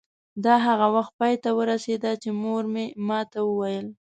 دا هغه وخت پای ته ورسېده چې مور مې ما ته وویل.